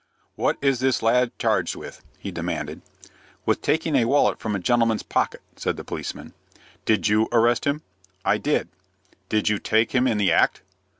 "What is this lad charged with?" he demanded. "With taking a wallet from a gentleman's pocket," said the policeman. "Did you arrest him?" "I did." "Did you take him in the act?"